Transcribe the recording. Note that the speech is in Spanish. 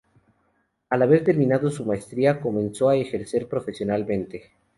Al haber terminado su maestría, comenzó a ejercer profesionalmente.